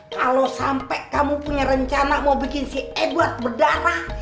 kalau sampai kamu punya rencana mau bikin si eh buat berdarah